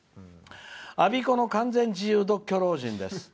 「我孫子の完全自由独居老人です。